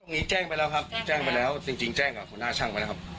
ตรงนี้แจ้งไปแล้วครับเนี้ยแจ้งไปแล้วจริงจริงแจ้ง